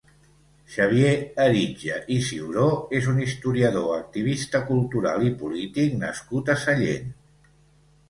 Xavier Eritja i Ciuró és un historiador, activista cultural i polític nascut a Sallent.